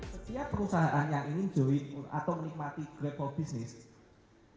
setiap perusahaan yang ingin join atau menikmati grable business